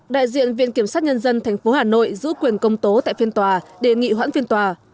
đại diện viện kiểm sát nhân dân tp hà nội giữ quyền công tố tại phiên tòa đề nghị hoãn phiên tòa